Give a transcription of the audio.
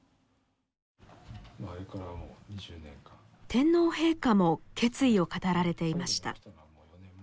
天皇陛下も決意を語られていました。